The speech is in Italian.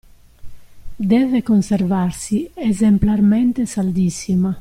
Deve conservarsi esemplarmente saldissima.